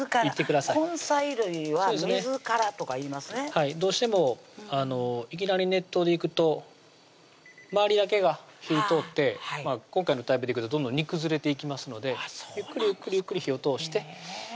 根菜類は水からとかいいますねどうしてもいきなり熱湯でいくと周りだけが火ぃ通って今回のタイプでいくとどんどん煮崩れていきますのでゆっくりゆっくり火を通してへぇ